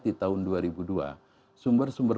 di tahun dua ribu dua sumber sumber